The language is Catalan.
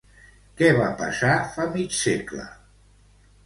Què va passar fa mig segle?